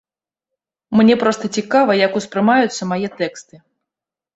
Мне проста цікава, як успрымаюцца мае тэксты.